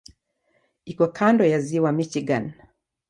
Iko kando ya Ziwa Michigan.